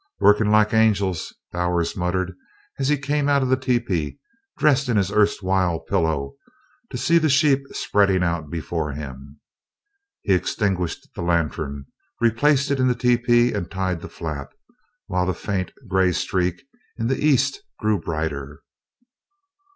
"Workin' like angels," Bowers muttered as he came out of the tepee dressed in his erstwhile pillow, to see the sheep spreading out before him. He extinguished the lantern, replaced it in the tepee, and tied the flap, while the faint, gray streak in the east grew brighter.